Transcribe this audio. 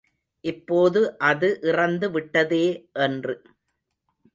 இப்போது அது இறந்து விட்டதே என்று.